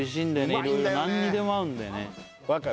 いろいろ何にでも合うんだよね